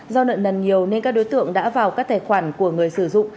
do nợ nần nhiều nên các đối tượng đã vào các tài khoản của người sử dụng